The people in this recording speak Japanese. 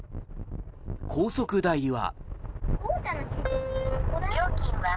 高速代は。